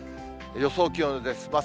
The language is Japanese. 予想気温です。